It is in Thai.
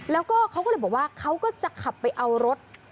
แล้วก็เขาก็เลยบอกว่าเขาก็จะขับไปเอารถ